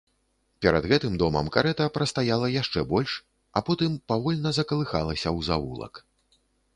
Перад гэтым домам карэта прастаяла яшчэ больш, а потым павольна закалыхалася ў завулак.